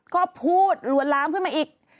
ก็พูดลวนลามขึ้นมาอีก